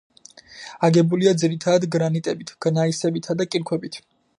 აგებულია ძირითადად გრანიტებით, გნაისებითა და კირქვებით.